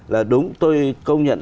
là đúng tôi công nhận